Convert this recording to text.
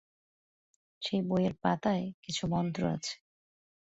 সেই বইয়ের পাতায় কিছু মন্ত্র আছে।